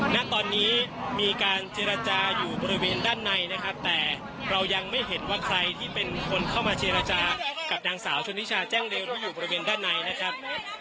ณตอนนี้มีการเจรจาอยู่บริเวณด้านในนะครับแต่เรายังไม่เห็นว่าใครที่เป็นคนเข้ามาเจรจากับนางสาวชนนิชาแจ้งเร็วที่อยู่บริเวณด้านในนะครับ